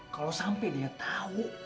kalau sampai dia tahu